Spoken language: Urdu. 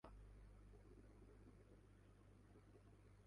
ترکی حکومت کی تاریخ اور معاشرت کو ایلف نے موضوع بنایا ہے